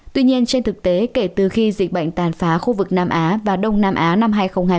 tuy nhiên trên thực tế kể từ khi dịch bệnh tàn phá khu vực nam á và đông nam á năm hai nghìn hai mươi